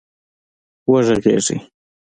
وږغېږئ